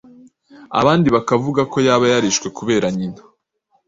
abandi bakavuga ko yaba yarishwe kubera nyina